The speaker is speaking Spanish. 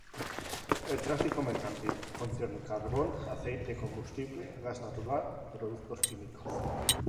El tráfico mercantil concierne carbón, aceite combustible, gas natural, productos químicos.